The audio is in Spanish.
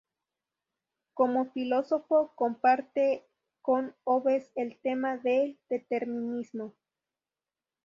Como filósofo, comparte con Hobbes el tema del determinismo.